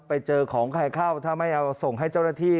ไปเจอของใครเข้าถ้าไม่เอาส่งให้เจ้าหน้าที่